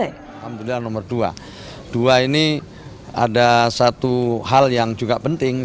alhamdulillah nomor dua dua ini ada satu hal yang juga penting